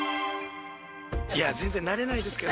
いや、全然慣れないですけど、